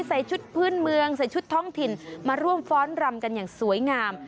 ใส่ชุดพื้นเมืองใส่ชุดท้องถิ่นมาร่วมฟ้อนรำกันอย่างสวยงาม